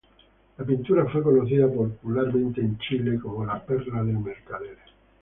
La pintura fue conocida popularmente en Chile como "La perla del mercader".